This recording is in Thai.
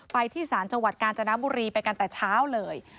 ที่ศาลจังหวัดกาญจนบุรีไปกันแต่เช้าเลย